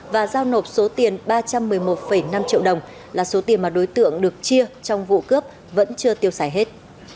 và giao nộp số tiền ba trăm một mươi một năm triệu đồng là số tiền mà đối tượng được chia trong vụ cướp vẫn chưa tiêu xài hết